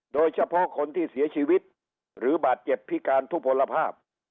โดยเฉพาะคนที่เสียชีวิตหรือบาดเจ็บพิการทุกผลภาพ